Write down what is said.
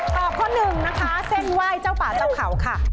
ข้อหนึ่งนะคะเส้นไหว้เจ้าป่าเจ้าเขาค่ะ